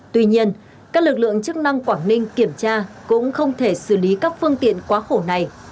tuy nhiên các lực lượng chức năng quảng ninh kiểm tra cũng không thể xử lý các phương tiện quá khổ này